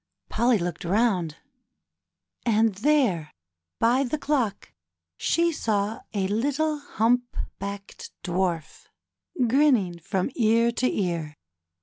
Polly looked round, and there, by the clock, she saw a little humpbacked Dwarf grinning from ear to ear.